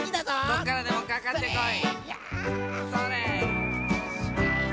どっからでもかかってこい。